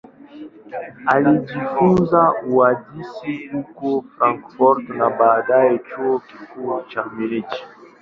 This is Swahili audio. Alijifunza uhandisi huko Frankfurt na baadaye Chuo Kikuu cha Munich.